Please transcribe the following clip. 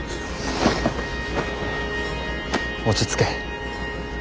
落ち着け。